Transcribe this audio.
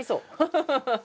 ハハハハ！